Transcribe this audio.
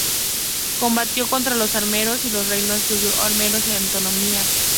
Combatió contra los arameos y los reinos luvio-arameos de Anatolia.